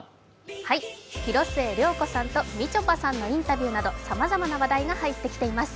広末涼子さんとみちょぱさんのインタビューなどさまざまな話題が入ってきています。